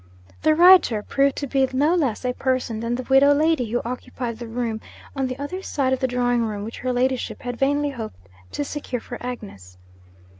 The writer proved to be no less a person than the widow lady who occupied the room on the other side of the drawing room, which her ladyship had vainly hoped to secure for Agnes.